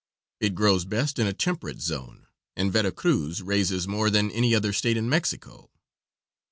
It grows best in a temperate zone, and Vera Cruz raises more than any other state in Mexico.